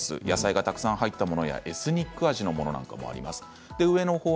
野菜がたくさん入ったものやエスニックな味もありますね。